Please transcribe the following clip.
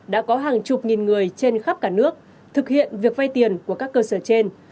đã có hàng chục nghìn người trên khắp cả nước thực hiện việc vay tiền của các cơ sở trên